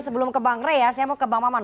sebelum ke bang rey ya saya mau ke bang maman